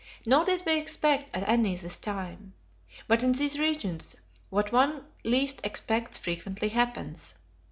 Nor did we expect any this time; but in these regions what one least expects frequently happens.